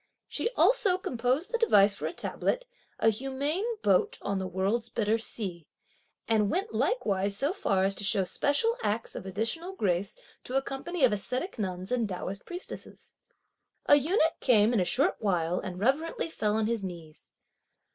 She also composed the device for a tablet, "a humane boat on the (world's) bitter sea," and went likewise so far as to show special acts of additional grace to a company of ascetic nuns and Taoist priestesses. A eunuch came in a short while and reverently fell on his knees.